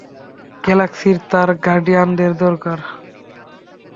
গ্যালাক্সির তার গার্ডিয়ানদের দরকার।